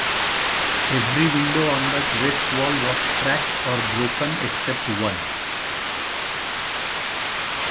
Every window on that west wall was cracked or broken except one.